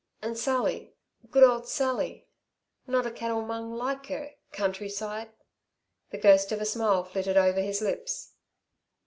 And Sally good old Sally not a cattle mong' Like her countryside." The ghost of a smile flitted over his lips.